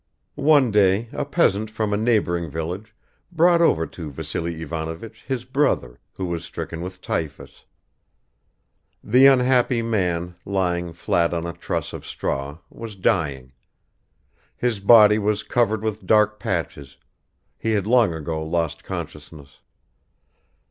One day a peasant from a neighboring village brought over to Vassily Ivanovich his brother, who was stricken with typhus. The unhappy man, lying flat on a truss of straw, was dying; his body was covered with dark patches, he had long ago lost consciousness.